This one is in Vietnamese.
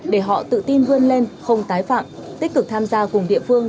để họ tự tin vươn lên không tái phạm tích cực tham gia cùng địa phương